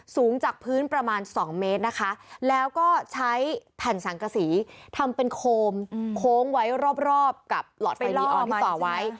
สูงจากพื้นประมาณ๒เมตรนะคะแล้วก็ใช้แผ่นสังกษีทำเป็นโคมโค้งไว้รอบกับหลอดไฟล้อมต่อไว้